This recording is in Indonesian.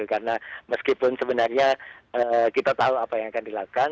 karena meskipun sebenarnya kita tahu apa yang akan dilakukan